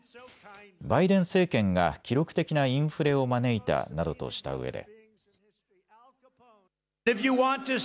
バイデン政権が記録的なインフレを招いたなどとしたうえで。